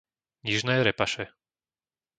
Nižné Repaše